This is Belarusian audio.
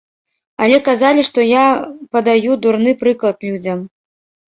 Але казалі, што я падаю дурны прыклад людзям.